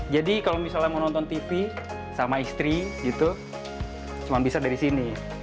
jadi kalau misalnya mau nonton tv sama istri cuma bisa dari sini